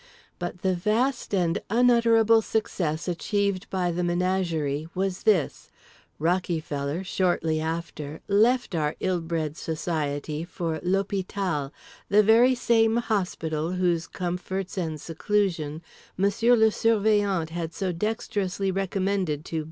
But the vast and unutterable success achieved by the Menagerie was this—Rockyfeller, shortly after, left our ill bred society for "l'hôpital"; the very same "hospital" whose comforts and seclusion Monsieur le Surveillant had so dextrously recommended to B.